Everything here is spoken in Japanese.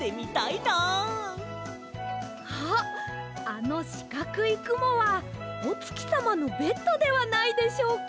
あのしかくいくもはおつきさまのベッドではないでしょうか。